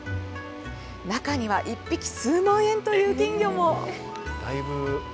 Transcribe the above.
中には、１匹数万円という金魚も。